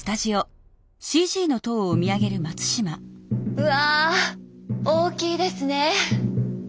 うわ大きいですね！